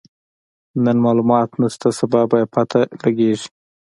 نن مالومات نشته، سبا به يې پته لګيږي.